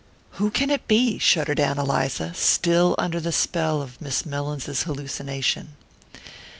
"Who can it be?" shuddered Ann Eliza, still under the spell of Miss Mellins's hallucination.